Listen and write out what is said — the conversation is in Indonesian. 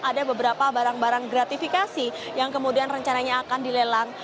ada beberapa barang barang gratifikasi yang kemudian rencananya akan dilelang